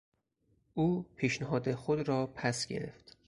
او پیشنهاد خود را پس گرفت.